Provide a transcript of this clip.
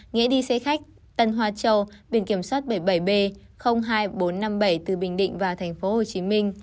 nghĩa đi xe khách tân hoa châu biển kiểm soát bảy mươi bảy b hai nghìn bốn trăm năm mươi bảy từ bình định vào tp hcm